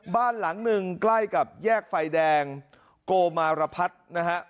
บ้านหลังหนึ่งใกล้กับแยกไฟแดงโกมารพัฒน์นะฮะ